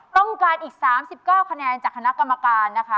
ต้องการอีก๓๙คะแนนจากคณะกรรมการนะคะ